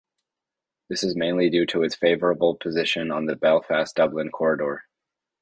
This is mainly due to its favourable position on the Belfast-Dublin corridor.